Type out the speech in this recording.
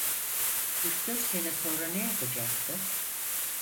Üç dört sene sonra ne yapacaktı?